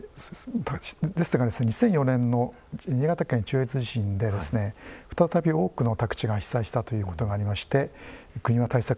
２００４年の新潟県中越地震で再び多くの宅地が被災したということがありまして国は対策に乗り出しました。